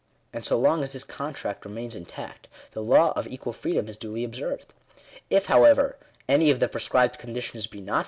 And so long as this contract remains intact, the law of equal freedom is duly observed. If, however, any of the prescribed conditions be not